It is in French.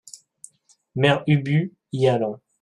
Mère Ubu , y allant.